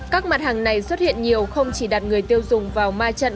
các mặt hàng này xuất hiện nhiều không chỉ đặt người tiêu dùng vào ma trận